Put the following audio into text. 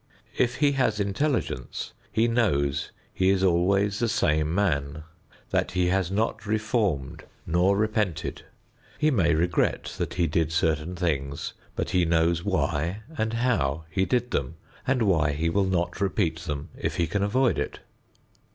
If he has intelligence he knows he is always the same man; that he has not reformed nor repented. He may regret that he did certain things but he knows why and how he did them and why he will not repeat them if he can avoid it.